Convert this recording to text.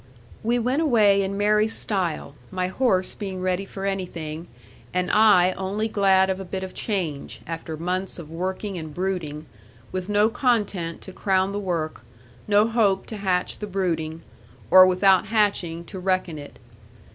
We went away in merry style; my horse being ready for anything, and I only glad of a bit of change, after months of working and brooding; with no content to crown the work; no hope to hatch the brooding; or without hatching to reckon it.